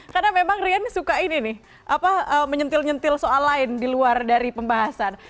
karena memang rian suka ini nih menyentil nyentil soal lain di luar dari pembahasan